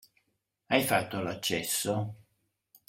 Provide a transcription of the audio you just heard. Hai fatto l'accesso?